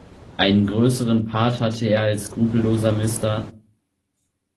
Einen größeren Part hatte er als skrupelloser "Mr.